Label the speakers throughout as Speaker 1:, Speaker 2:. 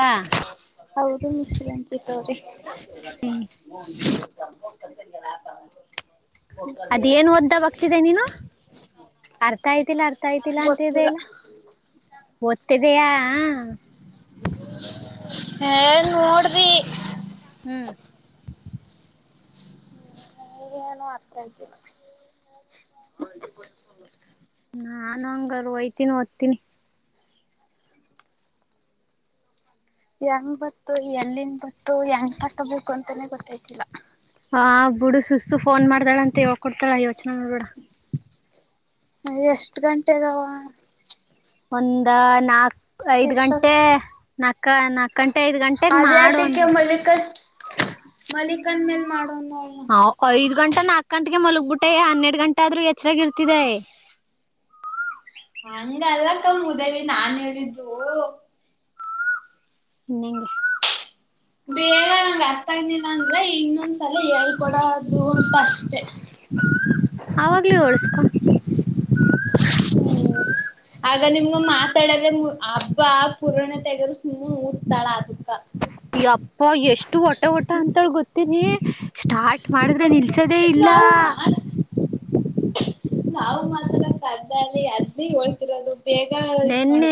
Speaker 1: ಹಾ
Speaker 2: ಹೌದು ಮಿಸ್ಟರ್ ಅಂಕಿತ್ ಅವ್ರೆ [unintelligible] [inaudible]
Speaker 1: ಅದೇಏನ್ ಓದಿ ದಾಬಕ್ತಿದಿಯೇ ನೀನು ಅರ್ಥ ಅಯ್ತಿಲ್ಲ ಅರ್ಥಅಯ್ತಿಲ್ಲ
Speaker 2: ಗೊತ್ತಿಲ್ಲ
Speaker 1: ಅಂತಿದೆಲ್ಲ ಓದ್ತಿದಿಯಾ
Speaker 2: ಹೇ ನೋಡ್ದಿ
Speaker 1: ಹ್ಮ್
Speaker 2: ಹ್ಮ ಈಗ ಏನು ಅರ್ಥ ಆಯ್ತಿಲ್ಲಾ
Speaker 1: ನಾನ ಹಂಗರಹೋಯ್ತಿನಿ ಓದ್ತೀನಿ
Speaker 2: ಹೆಂಗ್ ಬತ್ತು ಎಲ್ಲಿನ್ ಬತ್ತು ಹೆಂಗ್ ತಕಬೇಕು ಅಂತಾನೆ ಗೊತ್ತಾಯ್ತಿಲ್ಲ
Speaker 1: ಹಾ ಬುಡು ಸುಸ್ತು ಫೋನ್ ಮಾಡ್ದಾಳ ಅಂತ ಹೇಳ ಕೊಡ್ತಾಳ ಯೋಚನೆ ನೋಡ್ಬೇಡ
Speaker 2: ಅ ಎಷ್ಟ ಗಂಟೆಗವ
Speaker 1: ಒಂದ ನಾಕು ಐದ್
Speaker 2: ಎಷ್ಟೊತ್
Speaker 1: ಗಂಟೆ ನಾಕ್ ನಕಕ್ಕ ಗಂಟೆ ಐದ್ ಗಂಟೆಗೆ
Speaker 2: ಅದೇ
Speaker 1: ಮಾಡು ಅಂದ
Speaker 2: ಅದಕ್ಕೆ ಮಲಿಕನ್ ಮಲಿಕನ್ ಮೇಲ್ ಮಾಡೋಣ ನೋಡಣ
Speaker 1: ಆಪ ಐದ ಗಂಟೆ ನಾಕ ಗಂಟೆ ಹಾಗೆ ಮಲಗ್ಬಿಟ್ಟೆ ಹನ್ನೆರಡ್ ಗಂಟೆ ಆದ್ರೂ ಎಚ್ಚರಾಗಿ ಇರ್ತಿದೆ
Speaker 2: ಹಂಗ ಅಲ್ಲಕ್ಕ ಮುದವಿ ನಾನ್ ಹೇಳಿದ್ದು
Speaker 1: ನಿಂಗೆ
Speaker 2: ಬೇಡ ನಂಗ ಅರ್ಥಗಲೀಲ್ಲ ಅಂದ್ರೆ ಇನ್ನೊಂದ್ಸಲ ಹೇಳ್ಕೊಡದು ಅಂತ ಅಷ್ಟೆ
Speaker 1: ಅವಾಗ್ಲೂ ಹೂಳಸ್ಕೊ
Speaker 2: ಆಗ ನಿಮ್ಗ ಮಾತಾಡದ್ರ ಹಬ್ಬ ಪುರಾಣ ತಗದ ಸುಮ್ಮ ಊದ್ತಾಳ ಅದಕ್ಕ
Speaker 1: ಯಪ್ಪ ಎಷ್ಟು ಒಟ ಒಟ ಅಂತಳ ಗೊತ್ತೇನಿ ಸ್ಟಾರ್ಟ್ ಮಾಡಿದ್ರೆ ನಿಲ್ಸೋದೇ ಇಲ್ಲ
Speaker 2: ನಾವು ಮಾತ್ ನಾವು ಮಾತ್ರ [inaudible] ಇರದು
Speaker 1: ನೆನ್ನೆ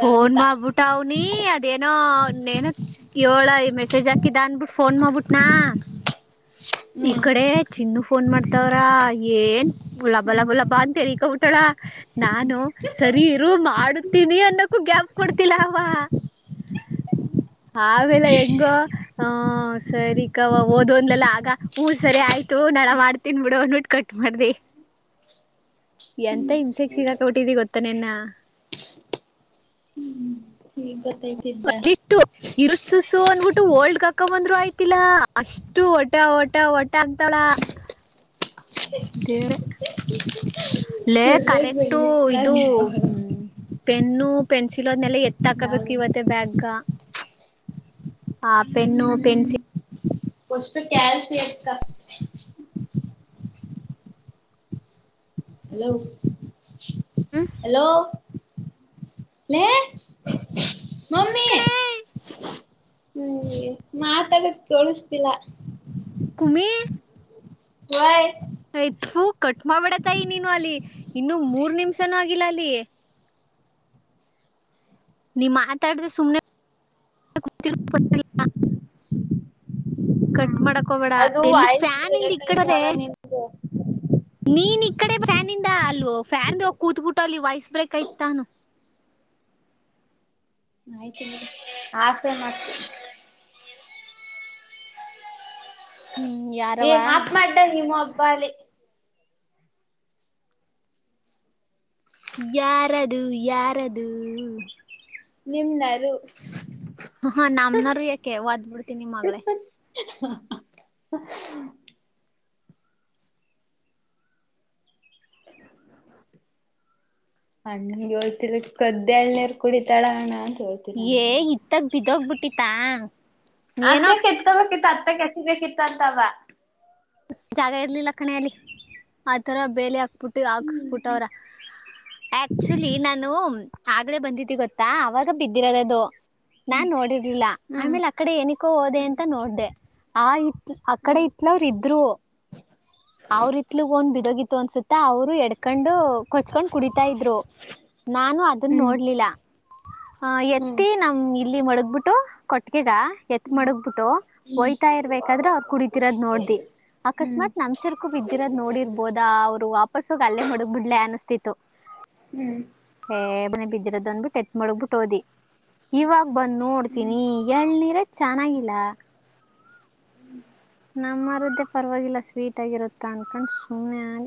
Speaker 1: ಫೋನ್
Speaker 2: ಅಂತ
Speaker 1: ಮಾಡ್ಬಿಟ್ಟ ಅವ್ನಿ ಅದೇನೋ ನೇನ ಏಳ ಐದ ಸುಜಾಕ ಇದಾಂತ ಫೋನ್ ಮಾಡಿಬುಟ್ಟನ ನ ಈ
Speaker 2: ಹ್ಮ್
Speaker 1: ಕಡೆ ಚಿನ್ನ ಫೋನ್ ಮಾಡ್ತಾವ್ರ ಏನ್ ಗುಲಾಬಲ್ಲಾ ಗುಲಾಬಲಾ ಅಂತ ಹೇಳಿ ಬೀ ಟಳ [unintelligible] ನಾನು ಸರಿ ಇರು ಮಾಡ ತಿವಿ ಅನ್ನಕೂ ಗ್ಯಾಪ್ ಕೋಡ್ತಿಲಾ ಹವಾ ಆಮೇಲೆ ಹೆಂಗೊ ಹಾ ಸರಿ ಕವಾ ಓದ ಒನ್ದ್ಲೆಲ್ಲಾ ಆಗ ಹೂ ಸರಿ ಆಯ್ತು ನಾಳ ಮಾಡ್ತೀನ್ ಬಿಡು ಅಂದಬಿಟ್ಟು ಕಟ್ ಮಾಡ್ದಿ ಎಂತ ಹಿಂಸೆಕ್ ಸಿಗಾಕ ಬಿಟ್ಟಿದಿ ಗೊತ್ತಾನೆನ್ನ
Speaker 2: ಹ್ಮ್ [inaudible]
Speaker 1: [inaudible] ಅಷ್ಟು ಓಲ್ಡ್ಗಕ್ಕ ಬಂದ್ರು ಆಯ್ತಿಲ್ಲಾ ಅಷ್ಟು ಒಟ ಒಟ ಒಟ ವಂತಾಳ ದೇವರೇ ಲೇ
Speaker 2: ಸಲ್ಲೇ
Speaker 1: ಕರೆಕ್ಟು
Speaker 2: ಬೆಳ್ಳಿಟ್ಳ
Speaker 1: ಇದು
Speaker 2: ಯಾವಳು
Speaker 1: ಪೆನ್ನು ಪೆನ್ಸಿಲ್ನೆಲ್ಲ ಎತಿ ತಕೋಬೇಕು
Speaker 2: ಯಾವ್ದು
Speaker 1: ಇವತ್ತ ಬ್ಯಾಗಗ ಹಾ ಪೆನ್ನು
Speaker 2: ಹ್ಮ್
Speaker 1: ಪೆನ್ಸಿಲ್
Speaker 2: [inaudible] ಹಲೋ ಹಲೋ ಲೆ ಮಮ್ಮಿ
Speaker 1: ಕಣೆ
Speaker 2: ಹ್ಮ ಮಾತಾಡಕ್ ಕೆಳಿಸತಿಲ್ಲ
Speaker 1: ಕುಮಿ
Speaker 2: ವಾಯ್
Speaker 1: ಏ ತು ಕಟ್ ಮಾಡಾಬಿಡತಾಯಿ ನೀನು ಅಲ್ಲಿ ಇನ್ನು ಮೂರ್ ನಿಮ್ಷನ ಇಲ್ಲ ಅಲ್ಲಿ ನಿ ಮಾತಾಡದೆ ಸುಮನೆ [inaudible] ಕಟ್
Speaker 2: ಹ್ಮ್
Speaker 1: ಮಾಡಕ್ ಹೋಗಬೇಡ
Speaker 2: ಅದು
Speaker 1: ಎಲ್ಲಿ
Speaker 2: ವಾಯ್ಸ್
Speaker 1: ಫ್ಯಾನ್ ಇಂದ ಇ
Speaker 2: ಬ್ರೇಕ್
Speaker 1: ಕಡೆದ
Speaker 2: ಐತಲ್ಲ ನಿಮ್ದು.
Speaker 1: ನೀನ್ ಇ ಕಡೆ ಫ್ಯಾನಿಂದ ಅಲ್ವ ಫ್ಯಾನ್ ಕೂತ್ಬಿಟ್ಟ ಲಿ ವಾಯ್ಸ್ ಬ್ರೇಕ್ ಆಯ್ತಾ
Speaker 2: ಆಯ್ತು ಮಡಿ ಆಸೆ ಮತ
Speaker 1: ಹ್ಮ್
Speaker 2: ಏ
Speaker 1: ಯಾರವಾ
Speaker 2: ಹಾಪ್ ಮಾಡ್ತ ನೀವುಬ್ಬ ಬಾಲಿ
Speaker 1: ಯಾರದು ಯಾರದು
Speaker 2: ನಿನ್ನರು
Speaker 1: ಹ ನಮ್ನರು ಯಾಕೆ ವದ್ಬ ಬಿಡ್ತನ ನಿ ಮಗ್ಗಳೇ
Speaker 2: [inaudible] ಅಣ್ಣನ್ ಜೋಳತ್ತ ಕ್ದ ಎಳ್ಣೇರ್ ಕೂಡಿ ತಳಣ
Speaker 1: ಏ ಇತ್ತಾಗ ಬಿದೋಗ ಬಿಿಟ್ಟ ಹಟ್ಟಿತಾ
Speaker 2: ಅದೇಕ್ಕೆ ಎತ್ಕೊಬೇಕಿತ್ ಮತ್ತ ಕೆಸಿಬೇಕಿತ್ತು ಅಂತವ
Speaker 1: ಜಾಗ ಇರ್ಲಿಲ್ಲ ಕಣೆಯಲ್ಲಿ ಆತರ ಬೇಲೆ ಹಾಕ್ ಬುಟ್ಟು
Speaker 2: ಹ್ಮ್
Speaker 1: ಹಾಕ್ಿಸಬಿಟ್ಟವ್ರ ಆ್ಯಕ್ಚುಲಿ ನಾನು ಆಗ್ಲೇ ಬಂದತಿ ಗೊತ್ತಾ ಅವಾಗ ಬಿದ್ದಿರೋದ ಅದು ನಾನ್
Speaker 2: ಹ್ಮ್
Speaker 1: ನೋಡಿರ್ಲಿಲ್ಲ
Speaker 2: ಹ್ಮ್
Speaker 1: ಆಮೇಲ್ ಅಕಡೆ ಏನಕ್ಕೋ ಹೋದೆ
Speaker 2: ಹ್ಮ್
Speaker 1: ಅಂತ ನೋಡ್ದ ಆ ಅಕ್ಕಡೆ
Speaker 2: ಹ್ಮ್
Speaker 1: ಇಟ್ಲ ರ ಪ್ಪ ಅವ್ರಿತ್ಲುಗ ಒನ್್ ಬಿದೋಗಿತ್ತು ಅನ್ಸುತ್ತ ಅವರು ಎಡ್ಕೊಂಡು ಕೊಚ್ಕೊಂಡ್ ಕುಡಿತಾ ಇದ್ರು ನಾನು ಅದನ್ನ ನೋಡ್ಲಿಲ್ಲ ಅ
Speaker 2: ಹ್ಮ್
Speaker 1: ಎತ್ತಿ ನಮ ಇಲ್ಲಿ ಮಡಗಬಿಟ್ಟ ಇಟ್ಟು ಕೊಟ್ಟಕಗ ಎತ್ ಮಾಡಡಗ್ ಬಿಿಟ್ಟು ಹೊಯ್ತಾ ಇರ್ಬೇಕಾದ್ರೆ ಅವ್ರು ಕುಡತಿರೋದ್ ನೋಡ್ದಿ
Speaker 2: ಹ್ಮ್
Speaker 1: ಅಕಸ್ಮಾತ್ ನಮ್ ಚರ್ಕೂ ಬಿದ್ದಿರದ್ ನೋಡಿರ್ಬೋದ ಅವ್ರು ವಾಪಸ್ಸೋಗ ಅಲ್ಲೇ ಮಡಗ್ ಬಿಡ್ಲೆ ಅನಿಸ್ತಿತ್ತು
Speaker 2: ಹ್ಮ್
Speaker 1: ಹ ಬನೆ ಬ ಇರದ ಅ್ಬಟ್ಟ ಎತ್ ಮಾಡೋಗಬಿಟ್ಟ ದಿ ಇವಾಗ ಬಂದ್
Speaker 2: ಹ್ಮ್
Speaker 1: ನೋಡ್ತೀನಿ ಎಳ್ನೀರ ಚೆನ್ನಾಗಿಲ್ಲ ನಮ್ಮ ಮರದ್ದೇ ಪರವಾಗಿಲ್ಲ ಸ್ವೀಟ್ ಆಗಿರುತ್ತಾ ಅನ್ಕೊಂಡು ಸುಮ್ಮನೆ ಆಿ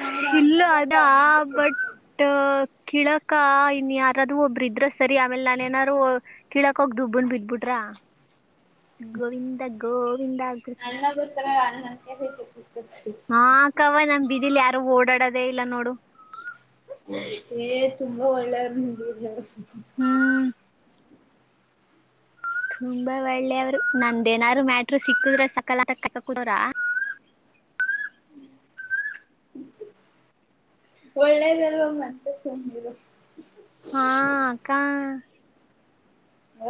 Speaker 2: ನೋಡು ಅಣ್ಣ
Speaker 1: ಇಲ್ಲ
Speaker 2: ಬಂದ
Speaker 1: ಅದಾ
Speaker 2: ಅಣ್ಣಂಗೆ
Speaker 1: ಬಟ್
Speaker 2: ಕೆಚ್ಕೊ
Speaker 1: ಕಿಳಕ ಇನ್ ಯಾರದುೂ ಒಬ್ಬ್ರ ಇದ್ರ ಸರಿ ಆಮೇಲೆ ನಾನ ಏನಾದ್ರು ಕಿಳಕ್ ಹೋಗ ದುಬ್ಬನ್ ಬಿದ್ಬಿಟ್ರಾ ಗೋವಿಂದ ಗೋವಿಂದ ಆಗ್ಬತಿ
Speaker 2: ಹ ಭೇತ
Speaker 1: ಹಾ ಕವ ನಮ್ ಬಿದಿಲಿ ಯ ಯಾರು ಓಡಾಡದೇ ಇಲ್ಲ ನೋಡು
Speaker 2: ಏ ತುಂಬಾ ಒಳ್ಳೇರು ನಿಮ್ಮ್ ಬೀದಿಯವರು
Speaker 1: ಹ್ಮ್ ತುಂಬಾ ಒಳ್ಳೆ ಅವರು ನಂದೇನಾರರು ಮ್ಯಾಟ್ರರು ಸಿಕ್ಕುದ್ರ ಸಕಾಲ ತುದ್ರ
Speaker 2: ಒಳ್ಳೇದಲ್ವ ಮತ್ತೆ ಸುಮ್ನಿರು
Speaker 1: ಹಾ ಅಕ್ಕಾ
Speaker 2: ಹ್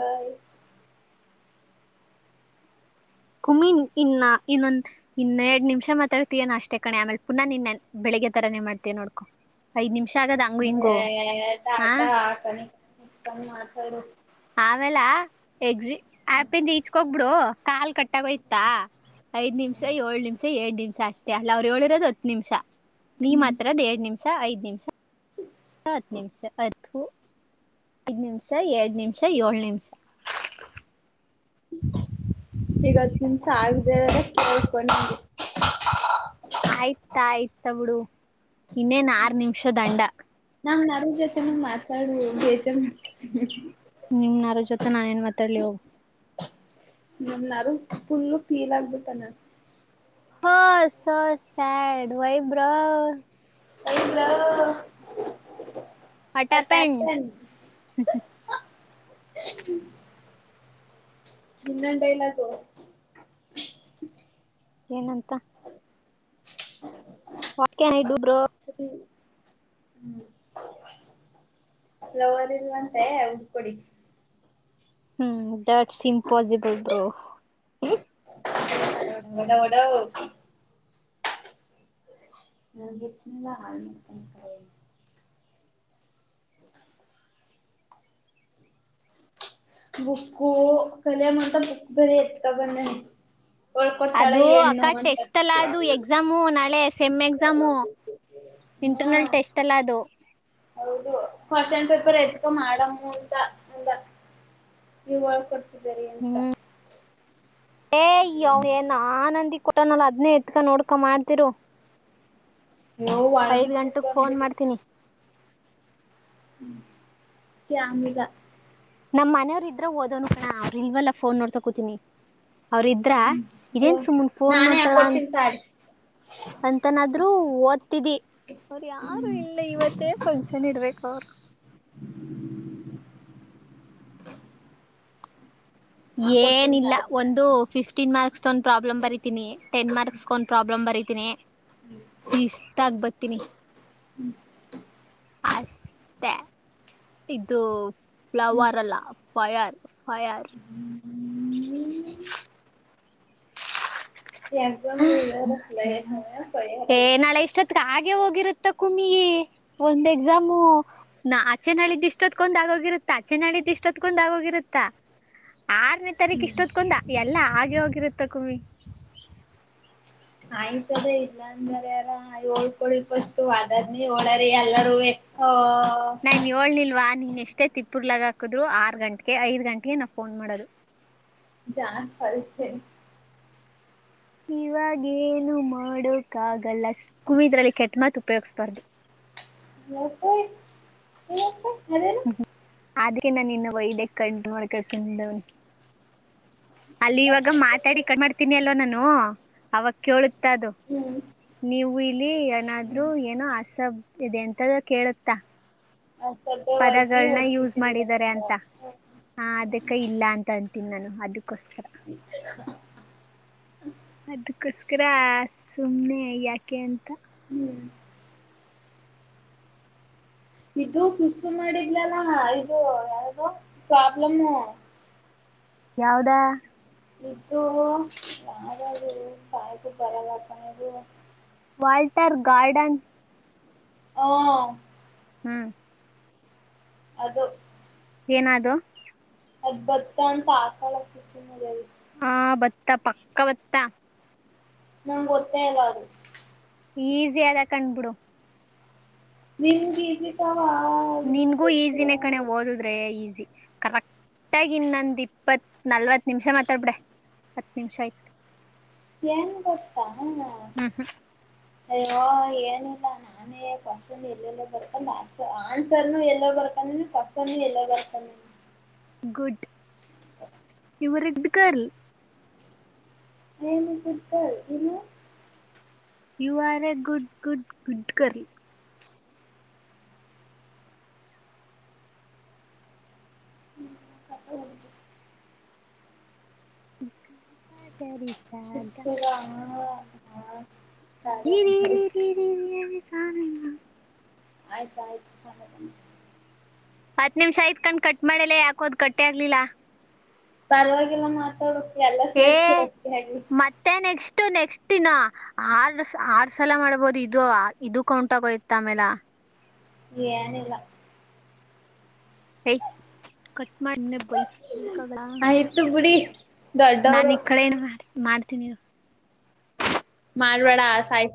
Speaker 1: ಕುಮಿನ್ ಇನ್ನ ಇನ್ನೊಂದ್ ಇನ್ನೆರಡ್ ನಿಮಿಷ ಮಾತಾಡ್ತೀಯ ನ ಅಷ್ಟೇ ಕಣೆ ಆಮೇಲೆ ಪುನಃ ನಿನ್ನೆ ಬೆಳಿಗ್ಗೆ ತರಾನೇ ಮಾಡ್ತೀ ನೋಡ್ಕೊ ಐದ್ ನಿಮಿಷ ಆಗದ ಹಂಗು ಹಿಂಗು
Speaker 2: ಹ
Speaker 1: ಹ
Speaker 2: ಆಟ ಹ
Speaker 1: ಆಮ್ಯಾಲ ಎಕ್ಸಿ ಅಪೆಂದ್ ಎಚ್ಚಗೋಗ್ ಒಬ್ರು ಕಾಲ್ ಕಟ್ಟಾಗೋಯ್ತಾ ಐದ್ ನಿಮಿಷ ಏಳ ನಿಮಿಷ ಏಡ್ ನಿಮಿಷ ಅಷ್ಟೇ ಅಲ್ಲ ಅವ್ರರು ಹೇಳಿರೋದು ಹತ್ತು ನಿಮಿಷ ನೀ ಮಾತಾಡಿರದು ಎರಡ್ ನಿಮಿಷ ಇಲ್ಲ ಐದ್ ನಿಮಿಷ
Speaker 2: ಹ್ಮ
Speaker 1: ಇಲ್ಲ ಹತ್ತು ನಿಮಿಷ ಹತ್ತು ಐದು ನಿಮಿಷ ಎರಡ್ ನಿಮಿಷ ಏಳು ನಿಮಿಷ
Speaker 2: ಈಗ ಹತ್ ನಿಮ ಸ ಆಗ್ದೇಹೋದ್ರೆ
Speaker 1: ಆಯ್ತಾ ಆಯ್ತಾ ಬಿಡು ಇನ್ನೇನ್ ಆರ್ ನಿಮಿಷ ದಂಡ
Speaker 2: ನಮ್ ನಾ ಜೊತೆ ಹಂಗ ಮಾತಾಡು ಬೇಜಾರ್ ಮಾಡ್ಕೊ
Speaker 1: ನಿಮ್ನಾರ ಜೊತೆ ನಾ ಏನ್ ಮಾತಾಡ್ಲಿ ಹೋಗ
Speaker 2: ನ ನಾರು ಫುಲ್ಲು ೀಲ್ ಆಗ್ಬೇಕಟಾನ
Speaker 1: ಹ ಸ said why bro
Speaker 2: why bro
Speaker 1: what happen
Speaker 2: ಹ್ಮ್ ಇನ್ನೊಂದ್ ಡೈಲಾಕು
Speaker 1: ಏನಂತ
Speaker 2: ಹ
Speaker 1: what can I do bro
Speaker 2: ಹ್ಮ ಲವರ್ ಇಲ್ಲಂತ ಉಡ್ಕೊಡಿ
Speaker 1: ಹ್ಮ್ ದಟ್ಸ್ ಇಂಪಾಸಿಬಲ್ ಬ್ರೋ
Speaker 2: ಡ ಒಡಓಡೋ ನಲ್ಲ ಹ ಬುಕ್ಸು ಕಲಮಂತ ಬುಕ್ ಬರೆ ಇತ್ತಕಂಡ್ ಬಂದೆ ನಾನು
Speaker 1: ಅದು ಅಕ್ಕ ಟೆಸ್ಟ್ ಎಲ್ಲ ಅದು ಎಕ್ಸಾಮು ನಾಳೆ. ಸೆಮ್ ಎಗ್ಸಾಮು
Speaker 2: ಹಾ
Speaker 1: ಇಂಟರ್ನಲ್ ಟೇಸ್ಟಲ ಅದು.
Speaker 2: ಹೌದು ಕ್ವಶನ್ ಪೇಪರ್ ಎತ್ಕೋ ಮಾಡಮ್ಮು ಅಂತ ಅಂದ ಇವ ಕೊ ಇದ ಬರಿಅಂತ.
Speaker 1: ್ಯೋ ನಾ ನಂದಿ [unintelligible] ಕೂಟ್ಟನಲ ಅದ್ನೇ ಎತ್ಕ ನೋಡ್ಕೊ ಮಾಡ್ತಿರು..
Speaker 2: ಅಯ್ಯೋ
Speaker 1: ಐದ್
Speaker 2: ಒಳಗಿಟ್ಬಿಟ್ಟು
Speaker 1: ಗಂಟಕ್ ಫೋನ್ ಮಾಡ್ತೀನಿ.
Speaker 2: ಹ್ಮ ಕ್ಯಾಮಿಲ್ಲ.
Speaker 1: ನಮ್ಮ್ ಮನೆಯವ್ರ ಇದ್ರ ಓದೋನು ಕಣ ಅವರು ಇಲ್ವೆಲ್ಲ ಫೋನ್ ನೋಡ್ತ ಕು. ಅವ್ರ್ ಇದ್ರ
Speaker 2: ಅಯ್ಯೋ
Speaker 1: ಏನ್ ಸುಮ್ಮುನ್ ಫೋನ್
Speaker 2: ನಾನೇ
Speaker 1: ನೋಡ್ತಾಳ ಅ
Speaker 2: ಹಾಕೊಡ್ತೀನಿ ತಾಳಿ
Speaker 1: ಅಂತನಾದ್ರು ಓದ್ತಿದಿ ಅವರು ಯಾರು ಇಲ್ಲ ಇವತ್ತೇ ಫಂಕ್ಷನ್ ಇಡ್ಬೇಕು ಅವರು.
Speaker 2: ಹಾಕೊಡ್ತೀನಿ
Speaker 1: ಏನಿಲ್ಲ
Speaker 2: ತಾಳಿ ನಾನು
Speaker 1: ಒಂದು ಫಿಫ್ಟೀನ್ ಮಾರ್ಕ್ಸ್ ಒಂದ್ ಪ್ರಾಬ್ಲಮ್ ಬರತೀನಿ ಟೆನ್ ಮಾರ್ಕ್ಸ್ ಒಂದ್ ಪ್ರಾಬ್ಲಮ್ ಬರೀ ತಿನೆ ಸಿಷ್ಟ ಆಗ್ ಬತ್ತೀನಿ.
Speaker 2: ಹ್ಮ್
Speaker 1: ಅಷ್ಟೇ ಇದು ಫ್ಲವರ್ ಅಲ್ಲ ಫೈಯರ್. ಫಯಾರ್. [inaudible]
Speaker 2: ಹ್ಮ್ ಎಕ್ಸಾಮ [unintelligible] ಹೇಳ್ಯರತಲೆ ಹ ತಯಾರತ
Speaker 1: ಗೆ ಹೋಗಿರತ್ತ ಕುಮ್ಮಿ ಒಂದ್ ಎಕ್ಸಾಮು ನಾ ಆಚೆ ನಾಳಿದ ಇಷ್ಟೊತಕೊಂದ ಆಗೋಗಿರುತ್ತ ಆಚೆ ನಾಳಿದ್ ಇಷ್ಟೋತ್ಕೊಂದ ಆಗೋಗಿರುತ್ತ. ಆರನೇ ತಾರೀಕು
Speaker 2: ಹ್ಮ್
Speaker 1: ಇಷ್ಟೊದ್ಕಂದ ಎಲ್ಲಾ ಆ ಗೆ ಹೋಗಿರುತ್ತ ಕುಮ್ಮಿ.
Speaker 2: ಆಯ್ತದೆ ಇಲ್ಲ ಅಂದವರ ಯಾರು ಓಳ್ಕೊಳಿ ಪಷ್ಟು ಅದನ್ನೇ ಹೇಳ್ಯರಿ ಎಲ್ಲಾರೂವೆ.
Speaker 1: ನಾನ ಯೋಳಿಲ್ವಾ ನೀನ್ ಎಷ್ಟೇ ತಿಪ್ಪ ಪುರ್ಲಾಗ ಹಾಕದ್ರು ಆರ್ ಗಂಟೆಗೆ ಐದ ಗಂಟೆಗೆ ನಾ ಫೋನ್ ಮಾಡೋದು.
Speaker 2: ಜಾಸ ಐತೆ.
Speaker 1: ಇವಾಗೇನು ಮಾಡೋಕ್ಕಾಗಲ್ಲ ಕುವಿದ್ರಲ್ಲಿ ಕೆಟ್ಟ ಮಾತು ಉಪಯೋಗಿಸಬಾರ್ದು.
Speaker 2: ಯಾಕೇ ಯಾಕೆ. ಅದೇನು.
Speaker 1: ಅದಕ್ಕೆ ನಾನ ಇನ್ನು ವೈದ್ಯ ಕಡ್ಡ್ ಮಾಡ್ಕ ತಿಂದವನಿ. ಅಲ್ಲಿ ಇವಾಗ ಮಾತಾಡಿ ಕಡಮಾಡತೀನಿ ಅಲ್ವ ನಾನು ಅವಾಗ ಕೇಳ ತ್ತದು
Speaker 2: ಹ್ಮ್
Speaker 1: ನೀವು ಇಲ್ಲಿ ಏನಾದ್ರು ಏನು ಅಸಬ್ ಇದೆ ಎಂತದ ಕೇಳತ್ತಾ.
Speaker 2: ಕರ್ತವ್ಯವಾಗಿ
Speaker 1: ಪದಗಳನ್ನ ಯೂಸ್ ಮಾಡಿದ್ದಾರೆ
Speaker 2: ವರ್ತಿಸಿದಿರಂತ
Speaker 1: ಅಂತ ಹ ಅದಕ್ಕ ಇಲ್ಲ ಅಂತ ಅಂತೀನಿ ನಾನು. ಹದು ಕ್ಕೋಸ್ಕರ ಅದಕ್ಕೋಸ್ ಕ್ರ ಸುಮ್ಮ್ನೆ ಯಾಕೆ ಅಂತ
Speaker 2: ಹ್ಮ್ ಇದು ಸುಸು ಮಾಡಿದ್ಲಲ್ಲ ಇದು ಯಾವ್ದೋ ಪ್ರಾಬ್ಲಮ್ಮು
Speaker 1: ಯಾವದಾ
Speaker 2: ಇದು ಯಾವ್ದು ಇದು ಕಾಯಿಗ್ ಬರಲ್ಲ ಕಣ್ ಇದು
Speaker 1: ವಾಲ್ಟರ್ ಗಾರ್ಡನ್
Speaker 2: ಹ
Speaker 1: ಹ್ಮ್
Speaker 2: ಅದು
Speaker 1: ಏನದು?
Speaker 2: ಅದ್ ಬತ್ತ ಅಂತ್ ಆಕಳ ಸುಸು ಮಾಡ್ಯಾಳ್
Speaker 1: ಹ ಭತ್ತಾ ಪಕ್ಕಾ ಭತ್ತ.
Speaker 2: ನಮ್ಗ್ ಗೊತ್ತೇ ಇಲ್ಲ ಅದು
Speaker 1: ಈಸಿ ಅದೆ ಕಣ್ಬಿಡು.
Speaker 2: ನಿಮ್ಗ್ ಈಸಿ ಪ
Speaker 1: ನಿನ್ಗೂ ಈಸಿನೇ ಕಣೆ ಓದುದ್ರೆ ಈಸಿ. ಕರೆಕ್ಟ್ಟಾಗ್ ಇನ್ನೊಂದ್ ಇಪ್ಪತ್ ನಲ್ವತ್ತು ನಿಮಿಷ ಮಾತಾಡ್ಬಿಡೆ ಇಪ್ಪತ್ ನಿಮಿಷ ಆಯ್
Speaker 2: ಏನ್ ಕೊಡ್ತಾ ಹ ಅಯ್ಯೋ ಏನು, ಇಲ್ಲ ನಾನೇ ಕ್ವಶನ್ ಎಲ್ಲೆಲ್ಲೋ ಬರ್ಕೊಂಡ ಅನ್ಸ್ ಆನ್ಸರ್ನು ಎಲ್ಲೋ ಬರ್ಕೊಂಡ್ ಕ್ವಶನ್ನು ಎಲ್ಲೋ ಬರ್ಕೊನ್
Speaker 1: ಗುಡ್
Speaker 2: ಹ
Speaker 1: ಉರ್ಡ್ ಗರ್ಲ್.
Speaker 2: ನೀನು ಗುಡ್ ಗರ್ಲ್ ನೀನು
Speaker 1: you are a good good good girl.
Speaker 2: [unintelligible]
Speaker 1: [unintelligible] ಸ ಗ ಮ ಗ ರಿ ಸ ರಿ ರಿ ರಿ ರಿ ರಿ ರಿ ಸ
Speaker 2: ಆಯ್ತು ಆಯ್ತು ಸಮಾಧಾನ.
Speaker 1: ಹತ್ ನಿಮಿಷ ಆಯ್ತ್ ಕಂಡ್ ಕಟ್ ಮಾಡೆಲೆ ಯಾಕೋ ಅದ್ ಕಟ್ಟೆ ಆಗ್ಲಿಲ್ಲ.
Speaker 2: ಪರವಾಗಿಲ್ಲ ಮಾತಾಡು ಎಲ್ಲ ಸೇರ್ಸಿ [unintelligible] ಆಗ್ಲಿ.
Speaker 1: ಇಷ್ಟ ನೆಕ್ಸ್ಟ್ ಇನ್ನ ಆರ್ ಆರ್ ಸಲ ಮಾಡಬೋದು ಇದು ಇದು ಕೌಂಟಗೋಯ್ತ ಆಮೇಲ
Speaker 2: ಏನಿಲ್ಲ.
Speaker 1: ಏಯ್ ಕ ಟ್ ಮಾಡ್ ಸುಮ್ನೆ ಬೈಸ್ಕ ಬೇಕಾಗಲ್ಲ
Speaker 2: ಆಯ್ತು ಬಿಡಿ
Speaker 1: ನಾನ್
Speaker 2: ದೊಡ್ಡವರು
Speaker 1: ಈ ಕಡೆ ಏನ್ ಮಾಡಿ ಮಾಡ್ತೀನ್ ಇರು
Speaker 2: ಮಾಡ್ಬ್ಯಾಡ ಸಾಯಿ